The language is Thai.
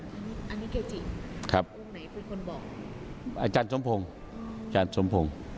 อันนี้เกจิครับอาจารย์สมพงศ์อาจารย์สมพงศ์